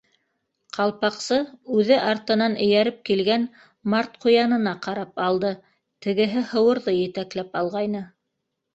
Ҡалпаҡсы үҙе артынан эйәреп килгән Март Ҡуянына ҡарап алды, тегеһе һыуырҙы етәкләп алғайны.